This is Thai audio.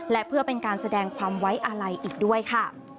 และเพื่อเป็นการแสดงความไว้อาลัยอีกด้วยค่ะ